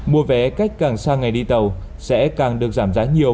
mua vé cách càng xa ngày đi tàu sẽ càng được giảm giá nhiều